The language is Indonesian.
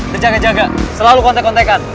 berjaga jaga selalu kontek kontekan